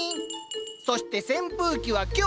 そして扇風機は「強」。